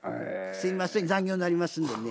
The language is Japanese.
すいません残業になりますのでね。